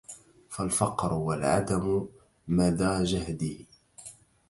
فالفقرُ والعُدمُ مدى جَهدِه